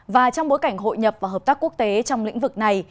và trong bối cảnh hội nhập và hợp tác quốc tế trong lĩnh vực này